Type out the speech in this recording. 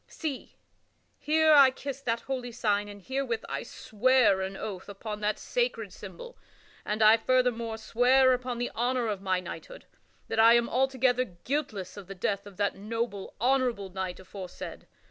See! Here I kiss that holy sign and herewith I swear an oath upon that sacred symbol, and I furthermore swear upon the honor of my knighthood, that I am altogether guiltless of the death of that noble, honorable knight aforesaid.